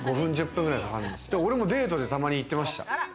俺もデートでたまに行ってました。